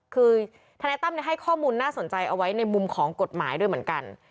คือทนายตั้มให้ข้อมูลน่าสนใจเอาไว้ในมุมของกฎหมายด้วยเหมือนกัน